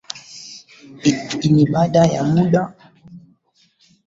ini baada ya muda ile inakuwa ni transition government ambayo baadaye